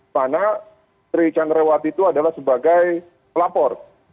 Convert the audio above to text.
mana putri candrawati itu adalah sebagai pelapor